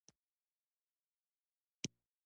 د پنځه وخته لمانځه پرځای به شل وخته لمونځ در باندې وکړم.